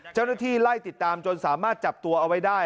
เจ้าหน้าที่ไล่ติดตามจนสามารถจับตัวเอาไว้ได้